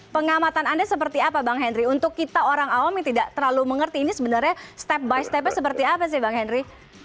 pengamatan anda seperti apa bang henry untuk kita orang awam yang tidak terlalu mengerti ini sebenarnya step by stepnya seperti apa sih bang henry